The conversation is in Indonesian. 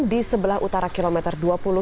di sebelah utara kilometer dua puluh dua puluh dua